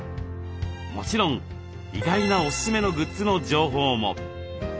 もちろん意外なおすすめのグッズの情報も。